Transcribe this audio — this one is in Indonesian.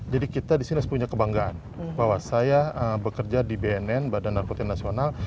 jadi kita di sini harus punya kebanggaan bahwa saya bekerja di bnn badan narkotik nasional